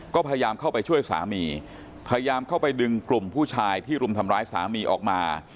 ก็พยายามเข้าไปช่วยสามีพยายามเข้าไปดึงกลุ่มผู้ชายที่รุมทำร้ายสามีออกมา